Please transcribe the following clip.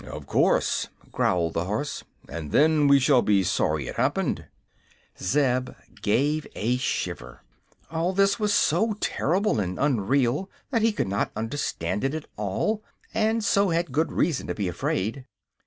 "Of course," growled the horse; "and then we shall be sorry it happened." Zeb gave a shiver. All this was so terrible and unreal that he could not understand it at all, and so had good reason to be afraid.